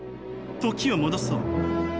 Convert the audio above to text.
時を戻そう。